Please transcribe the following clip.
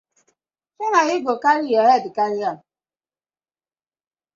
Shey na yu go karry yu head carry am.